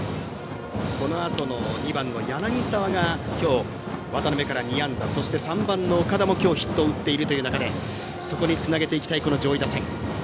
このあとの２番の柳澤が今日、渡辺から２安打そして３番の岡田も今日ヒットを打っている中でそこにつなげていきたい上位打線。